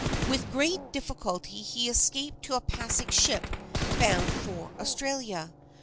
With great difficulty he escaped to a passing ship bound for Australia.